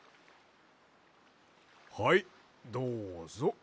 はいどうぞ。